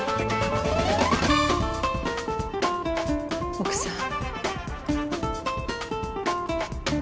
・奥さん。